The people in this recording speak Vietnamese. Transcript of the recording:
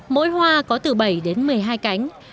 mỗi hoa có từ bảy đến một mươi hai cánh